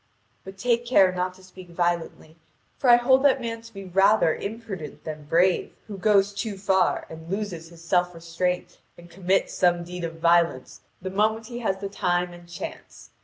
But take care not to speak violently, for I hold that man to be rather imprudent than brave who goes too far and loses his self restraint and commits some deed of violence the moment he has the time and chance.